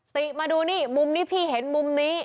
ติมาดูนี่มุมนี้พี่เห็นมุมนี้